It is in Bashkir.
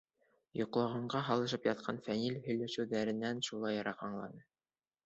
Йоҡлағанға һалышып ятҡан Фәнил һөйләшеүҙәренән шулайыраҡ аңланы.